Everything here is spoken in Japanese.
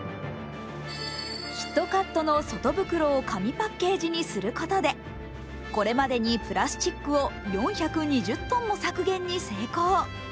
キットカットの外袋を紙パッケージにすることでこれまでにプラスチックを４２０ｔも削減に成功。